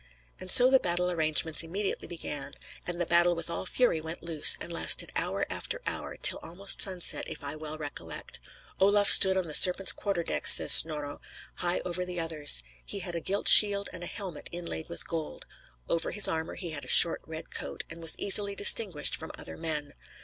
And so the battle arrangements immediately began, and the battle with all fury went loose, and lasted hour after hour, till almost sunset, if I well recollect. "Olaf stood on the Serpent's quarter deck," says Snorro, "high over the others. He had a gilt shield and a helmet inlaid with gold; over his armor he had a short red coat, and was easily distinguished from other men."